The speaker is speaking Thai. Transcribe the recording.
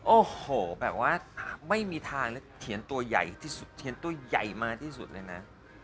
โอ้โหแบบว่าไม่มีทางเลยเทียนตัวใหญ่ที่สุดเทียนตัวใหญ่มาที่สุดเลยนะ